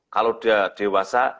kalau dia dewasa